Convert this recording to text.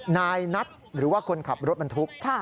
นายนัทหรือว่าคนขับรถบรรทุก